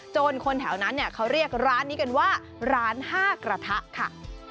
คนแถวนั้นเขาเรียกร้านนี้กันว่าร้าน๕กระทะค่ะ